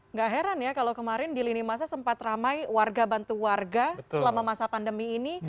nggak heran ya kalau kemarin di lini masa sempat ramai warga bantu warga selama masa pandemi ini